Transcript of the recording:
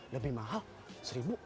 lebih mahal seribu